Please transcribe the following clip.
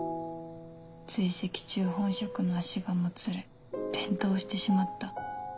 追跡中本職の足がもつれ転倒してしまった。